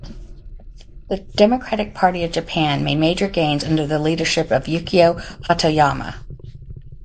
The Democratic Party of Japan made major gains under the leadership of Yukio Hatoyama.